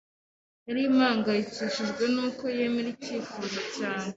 Nari mpangayikishijwe nuko yemera icyifuzo cyanjye.